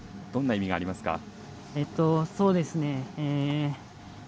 どんな意味がありますか？